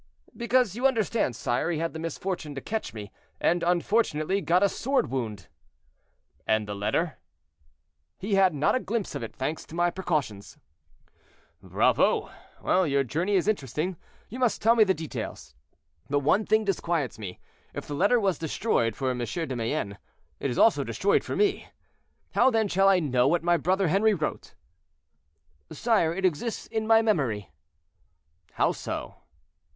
"Because, you understand, sire, he had the misfortune to catch me, and unfortunately got a sword wound." "And the letter?" "He had not a glimpse of it, thanks to my precautions." "Bravo! your journey is interesting; you must tell me the details. But one thing disquiets me—if the letter was destroyed for M. de Mayenne, it is also destroyed for me. How, then, shall I know what my brother Henri wrote?" "Sire, it exists in my memory." "How so?"